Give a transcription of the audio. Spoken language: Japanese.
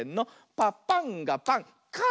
「パパンがパンカァ」